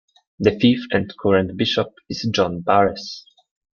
The fifth and current bishop is John Barres.